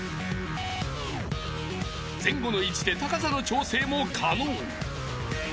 ［前後の位置で高さの調整も可能］